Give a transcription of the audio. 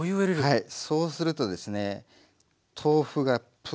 はい。